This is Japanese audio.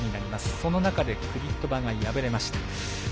その中でクビトバが敗れました。